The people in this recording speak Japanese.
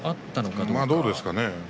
どうなんですかね？